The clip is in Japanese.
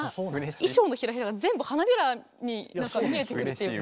衣装のヒラヒラが全部花びらに見えてくるっていうか。